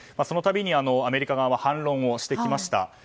その度にアメリカ側は反論をしてきました。